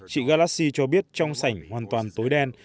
chị galaxy cho biết trong sảnh hoàn toàn tối đen